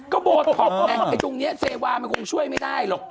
ก็โบดพบแหละตรงนี้เซวาคงช่วยไม่ได้หรอก